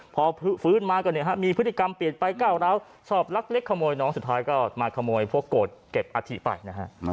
พอฟื้นมาก็เนี่ยฮะมีพฤติกรรมเปลี่ยนไปก้าวร้าวชอบลักเล็กขโมยน้องสุดท้ายก็มาขโมยพวกโกรธเก็บอาทิตไปนะฮะ